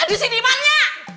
aduh si dimannya